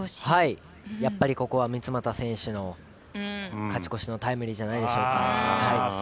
やっぱり、ここは三ツ俣選手の勝ち越しタイムリーじゃないでしょうか。